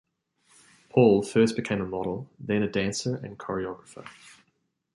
Paul first became a model, then a dancer and choreographer.